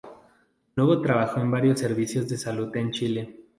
Luego trabajó en varios servicios de salud en Chile.